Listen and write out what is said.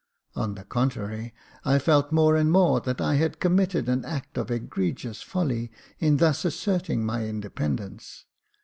On the contrary, I felt more and more that I had committed an act of egregious folly in thus asserting my independence.